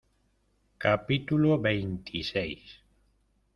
capítulo veintiséis.